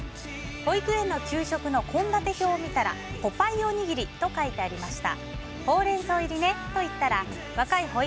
保育園の給食の献立表を見たらポパイおにぎりと書いてありました。